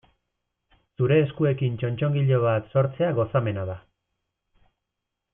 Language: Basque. Zure eskuekin txotxongilo bat sortzea gozamena da.